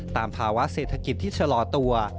ภาวะเศรษฐกิจที่ชะลอตัว